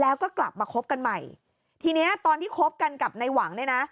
แล้วก็กลับมาคบกันใหม่ทีเนี้ยตอนที่คบกันกับในหวังเนี่ยนะ